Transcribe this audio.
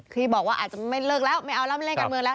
ที่บอกว่าอาจจะไม่เลิกแล้วไม่เอาแล้วไม่เล่นการเมืองแล้ว